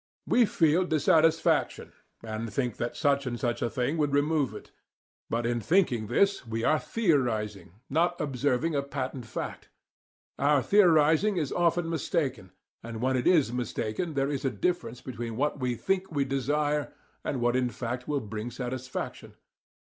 We feel dissatisfaction, and think that such and such a thing would remove it; but in thinking this, we are theorizing, not observing a patent fact. Our theorizing is often mistaken, and when it is mistaken there is a difference between what we think we desire and what in fact will bring satisfaction.